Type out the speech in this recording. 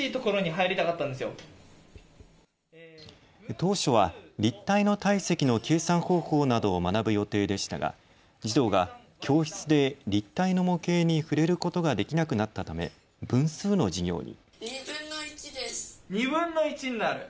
当初は立体の体積の計算方法などを学ぶ予定でしたが児童が教室で立体の模型に触れることができなくなったため分数の授業に。